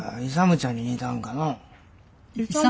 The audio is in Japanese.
勇ちゃんに似たんかのう。